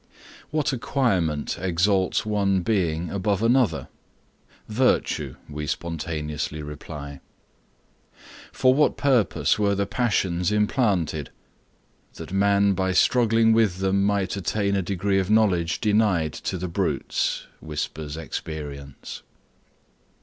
What acquirement exalts one being above another? Virtue; we spontaneously reply. For what purpose were the passions implanted? That man by struggling with them might attain a degree of knowledge denied to the brutes: whispers Experience.